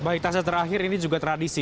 baik taza terakhir ini juga tradisi